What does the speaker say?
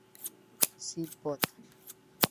Sci., Bot.